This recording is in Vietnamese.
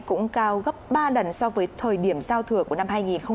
cũng cao gấp ba lần so với thời điểm giao thừa của năm hai nghìn một mươi tám